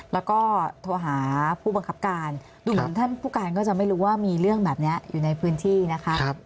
แล้วก็โทรหาผู้บังคับการดูเหมือนท่านผู้การก็จะไม่รู้ว่ามีเรื่องแบบนี้อยู่ในพื้นที่นะคะ